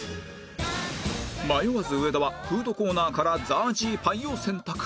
迷わず上田はフードコーナーからザージーパイを選択